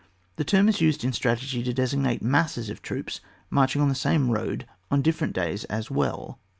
The term is used in strategy to designate masses of troops marching on the same road on different days as well.